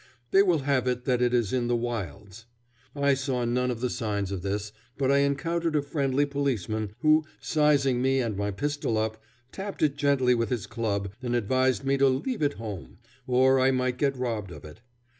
They will have it that it is in the wilds. I saw none of the signs of this, but I encountered a friendly policeman, who, sizing me and my pistol up, tapped it gently with his club and advised me to leave it home, or I might get robbed of it.